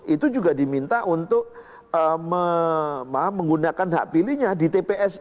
itu juga diminta untuk menggunakan hak pilihnya di tps